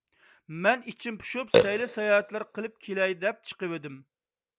مەن ئىچىم پۇشۇپ، سەيلە - ساياھەتلەر قىلىپ كېلەي دەپ چىقىۋىدىم.